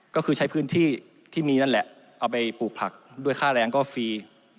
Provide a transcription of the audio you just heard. ก็คือใช้พื้นที่ที่มีนั่นแหละเอาไปปลูกผักด้วยค่าแรงก็ฟรี